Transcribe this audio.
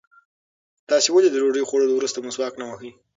تاسې ولې د ډوډۍ خوړلو وروسته مسواک نه وهئ؟